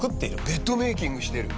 ベッドメイキングしてる？